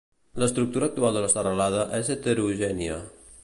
L'estructura actual de la serralada és heterogènia.